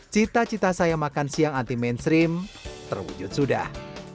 cita cita saya makan siang anti mainstream terwujud sudah